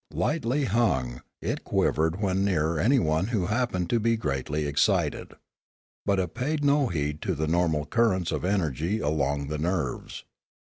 Lightly hung, it quivered when near anyone who happened to be greatly excited. But it paid no heed to the normal currents of energy along the nerves.